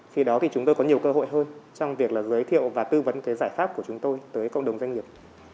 khi đó thì chúng tôi có nhiều cơ hội hơn trong việc là giới thiệu và tư vấn giải pháp của chúng tôi tới cộng đồng doanh nghiệp